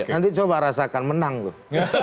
nanti coba rasakan menang tuh